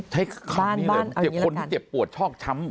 ใช้คำนี้เลยเจ็บคนที่เจ็บปวดชอกช้ำ